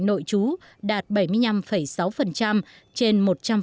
nội trú đạt bảy mươi năm sáu trên một trăm linh